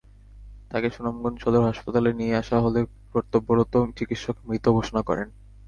তাঁকে সুনামগঞ্জ সদর হাসপাতালে নিয়ে আসা হলে কর্তব্যরত চিকিৎসক মৃত ঘোষণা করেন।